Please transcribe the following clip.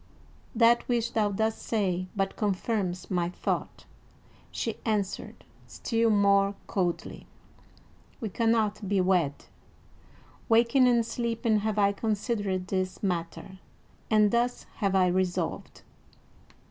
"That which thou dost say but confirms my thought," she answered, still more coldly. "We cannot be wed; waking and sleeping have I considered this matter, and thus have I resolved."